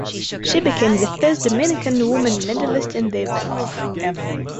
She became the first Dominican woman medalist in the event.